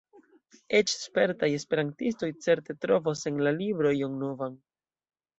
Eĉ spertaj esperantistoj certe trovos en la libro ion novan.